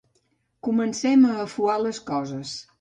Comencem a afuar les coses.